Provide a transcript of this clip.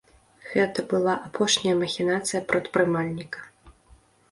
Гэта была апошняя махінацыя прадпрымальніка.